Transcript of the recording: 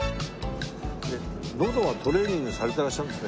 のどはトレーニングされてらっしゃるんですか？